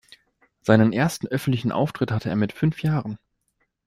Seinen ersten öffentlichen Auftritt hatte er mit fünf Jahren.